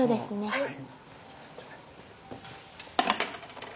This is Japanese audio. はい。